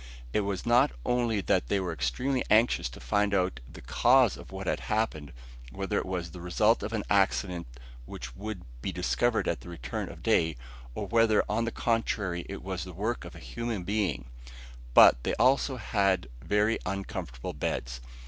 It was not only that they were extremely anxious to find out the cause of what had happened, whether it was the result of an accident which would be discovered at the return of day, or whether on the contrary it was the work of a human being; but they also had very uncomfortable beds.